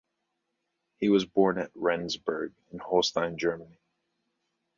He was born at Rendsburg in Holstein, Germany.